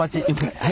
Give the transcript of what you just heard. はい。